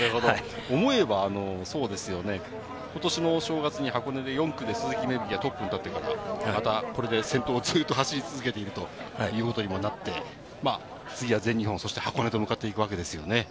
思えばことしのお正月に箱根で鈴木芽吹がトップに立ってから、これで先頭をずっと走り続けているということにもなって、次は全日本、箱根と向かっていくわけですよね。